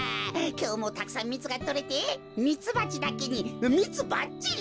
きょうもたくさんミツがとれてミツバチだけにミツバッチリ！